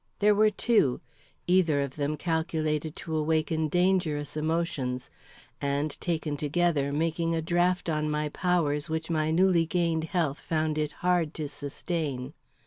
There were two, either of them calculated to awaken dangerous emotions; and, taken together, making a draft on my powers which my newly gained health found it hard to sustain.